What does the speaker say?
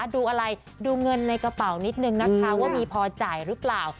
ดูอะไรดูเงินในกระเป๋านิดนึงนะคะว่ามีพอจ่ายหรือเปล่า